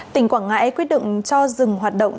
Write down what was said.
tỉnh quảng ngãi quyết định cho dừng hoạt động